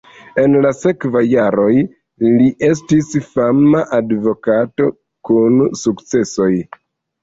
En la sekvaj jaroj li estis fama advokato kun sukcesoj.